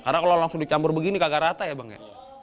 karena kalau langsung dicampur begini kagak rata ya bang ya